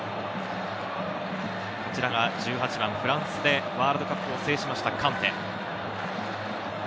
こちらが１８番、フランスでワールドカップを制しましたカンテ。